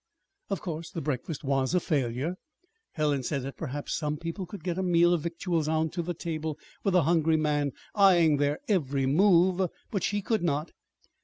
Of course the breakfast was a failure. Helen said that perhaps some people could get a meal of victuals on to the table, with a hungry man eyeing their every move, but she could not.